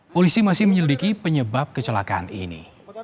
polisi masih menyelidiki penyebab kecelakaan ini